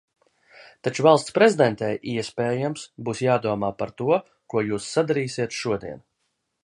Taču Valsts prezidentei, iespējams, būs jādomā par to, ko jūs sadarīsiet šodien.